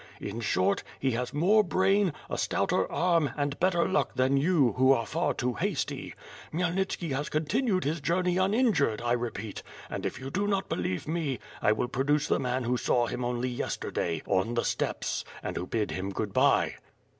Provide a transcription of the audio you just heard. In short, he has more brain, a stouter arm, and better luck than you, who are far too hasty. Khmyelnitski has continued his journey un injured, I repeat, and if you do not believe me, I will produce the man who saw him only yesterday — on the steppes, and who bid him Good bye."